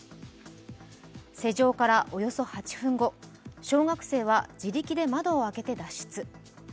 施錠からおよそ８分後、小学生は自力で窓を開けて脱出。